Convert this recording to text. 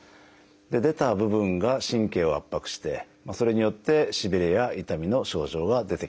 出た部分が神経を圧迫してそれによってしびれや痛みの症状が出てきます。